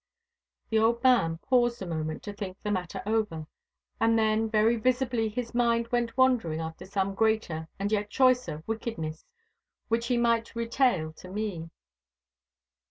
The old man paused a moment to think the matter over, and then very visibly his mind went wandering after some greater and yet choicer wickedness which he might retail to me.